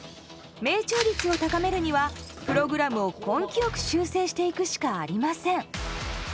命中率を高めるにはプログラムを根気よく修正していくしかありません。